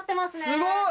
すごい。